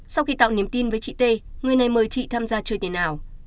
sau khi tạo niềm tin với chị t người này mời chị tham gia chơi tiền ảo